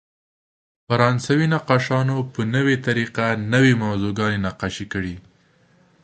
فرانسوي نقاشانو په نوې طریقه نوې موضوعګانې نقاشي کړې.